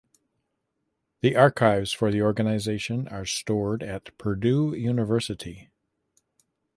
The archives for the organization are stored at Purdue University.